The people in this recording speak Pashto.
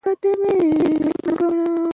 په افغانستان کې د نفت تاریخ اوږد دی.